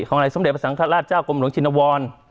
ของสำเร็จพระสัญหาราชเจ้ากมหลวงชินวร